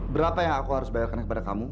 berapa yang aku harus bayarkan kepada kamu